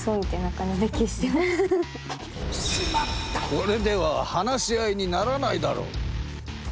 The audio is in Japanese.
これでは話し合いにならないだろう！